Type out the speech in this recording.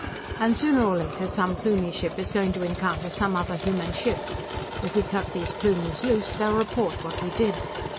And sooner or later some Plumie ship is going to encounter some other human ship. If we cut these Plumies loose, they'll report what we did.